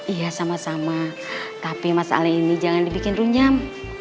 iya sama sama tapi masalah ini jangan dibikin runyam